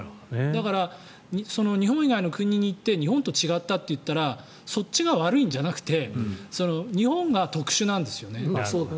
だから日本以外の国に行って日本と違ったといったらそっちが悪いんじゃなくて日本が特殊なんですよね。